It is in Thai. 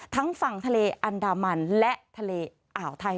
ทั้งฝั่งทะเลอันดามันและทะเลอ่าวไทย